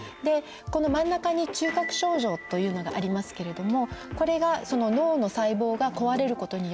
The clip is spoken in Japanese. この真ん中に中核症状というのがありますけれどもこれが脳の細胞が壊れることによって起こる症状。